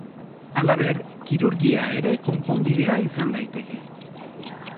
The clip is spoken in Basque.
Halaber, kirurgia ere konponbidea izan daiteke.